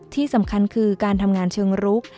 ที่สำคัญคือการทำงานเชิงรุก